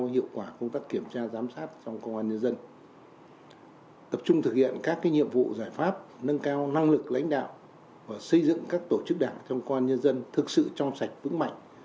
hiệu quả công tác kiểm tra giám sát trong công an nhân dân tập trung thực hiện các nhiệm vụ giải pháp nâng cao năng lực lãnh đạo và xây dựng các tổ chức đảng trong công an nhân dân thật sự trong sạch vững mạnh